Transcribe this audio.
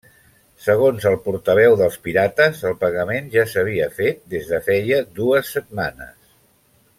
Segons el portaveu dels pirates, el pagament ja s'havia fet des de feia dues setmanes.